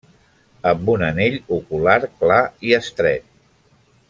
Amb un anell ocular clar i estret.